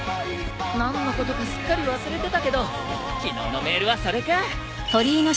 何のことかすっかり忘れてたけど昨日のメールはそれか。